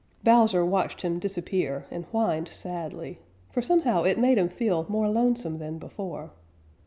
Bowser watched him disappear and whined sadly, for somehow it made him feel more lonesome than before.